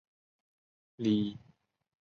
李弘从此失宠。